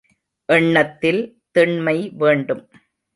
எண்ணத்தில் திண்மை வேண்டும்.